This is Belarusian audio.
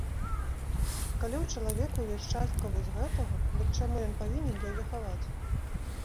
Калі ў чалавеку ёсць частка вось гэтага, дык чаму ён павінен яе хаваць?